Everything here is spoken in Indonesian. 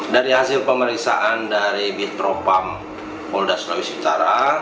dari hasil pemeriksaan dari bitropam polda sulawesi utara